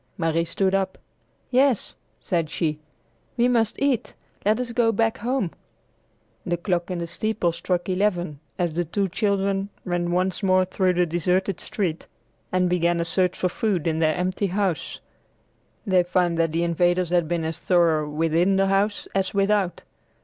Marie stood up. "Yes," said she; "we must eat. Let us go back home." The clock in the steeple struck eleven as the two children ran once more through the deserted street and began a search for food in their empty house. They found that the invaders had been as thorough within the house as without.